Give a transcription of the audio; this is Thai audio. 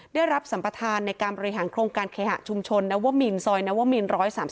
ได้รับสัมประธานในการบริหารโครงการเคหะชุมชนนวมินซอยนวมิน๑๓๓